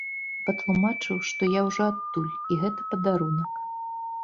Патлумачыў, што я ўжо адтуль і гэта падарунак.